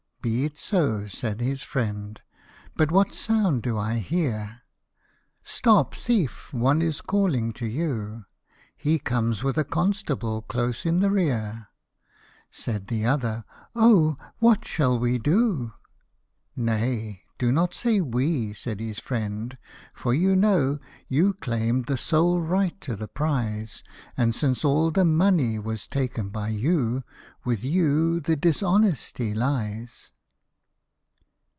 " Be it so," said his friend, " but what sound do I hear "r ' Stop thief! ' one is calling to you ; He comes with a constable close in the rear !" Said the other, " Oh ! what shall we do !"" Nay, do not say we," said his friend, " for you know You claim'd the sole right to the prize ; And since all the money was taken by you, With you the dishonesty lies."